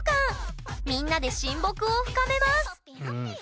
みんなで親睦を深めます。